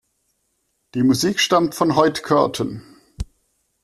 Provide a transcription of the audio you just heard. Die Musik stammt von Hoyt Curtin.